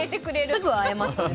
すぐ会えますね。